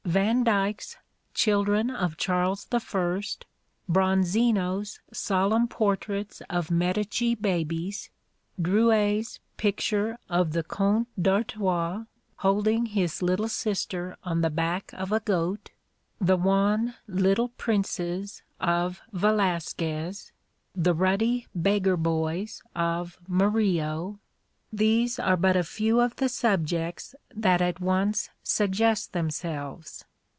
Vandyck's "Children of Charles I"; Bronzino's solemn portraits of Medici babies; Drouais' picture of the Comte d'Artois holding his little sister on the back of a goat; the wan little princes of Velasquez; the ruddy beggar boys of Murillo these are but a few of the subjects that at once suggest themselves.